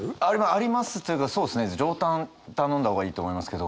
ありますというかそうですね上タン頼んだ方がいいと思いますけど。